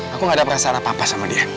aku gak ada perasaan apa apa sama dia